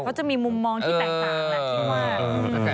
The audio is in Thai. เขาจะมีมุมมองที่แตดต่างเท่าว่า